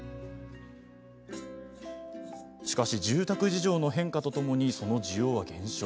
しかし、住宅事情の変化とともにその需要は減少。